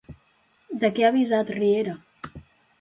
De què ha avisat Riera?